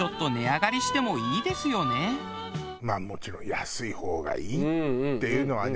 まあもちろん安い方がいいっていうのはね